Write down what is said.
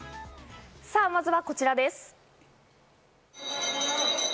まずはこちらです。